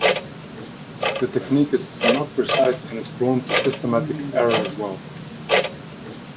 The technique is not precise and is prone to systematic error as well.